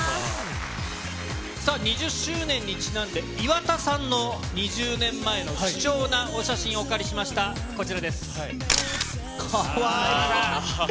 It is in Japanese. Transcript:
２０周年にちなんで岩田さんの２０年前の貴重なお写真をお借りしました、こちらです。